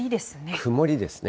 曇りですね。